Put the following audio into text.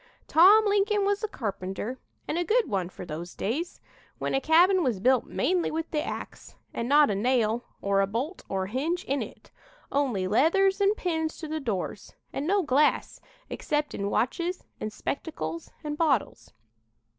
"Tom Lincoln was a carpenter, and a good one for those days, when a cabin was built mainly with the ax, and not a nail or a bolt or hinge in it, only leathers and pins to the doors, and no glass, except in watches and spectacles and bottles.